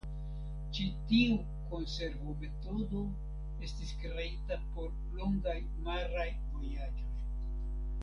Ĉi tiu konservometodo estis kreita por longaj maraj vojaĝoj.